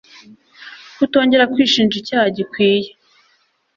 kutongera kwishinja icyaha gikwiye